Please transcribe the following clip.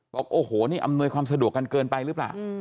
บอกโอ้โหนี่อำนวยความสะดวกกันเกินไปหรือเปล่า